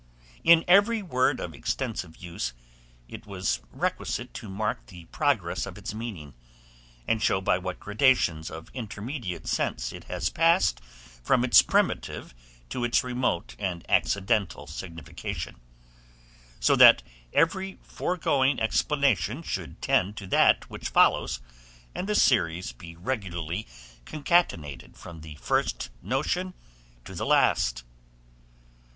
In every word of extensive use, it was requisite to mark the progress of its meaning, and show by what gradations of intermediate sense it has passed from its primitive to its remote and accidental signification; so that every foregoing explanation should tend to that which follows, and the series be regularly concatenated from the first notion to the last.